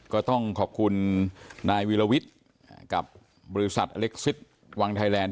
ก็ต้องขอบคุณนายวีรวิทย์กับบริษัทอเล็กซิสวังไทยแลนด